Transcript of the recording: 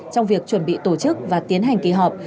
trong việc chuẩn bị tổ chức và tiến hành kỳ họp